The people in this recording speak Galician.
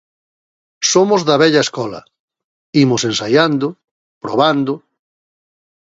Somos da vella escola: imos ensaiando, probando...